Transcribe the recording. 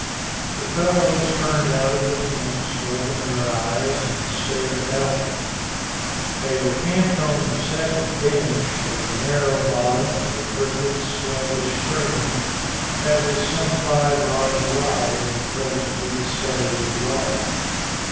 The fellows turned out of the tents, rubbing their eyes, and stared about them. They were camped on the second bench of the narrow bottom of a crooked, sluggish stream, that was some five rods wide in the present good stage of water.